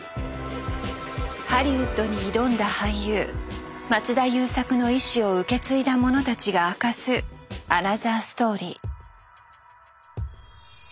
ハリウッドに挑んだ俳優松田優作の遺志を受け継いだ者たちが明かすアナザーストーリー。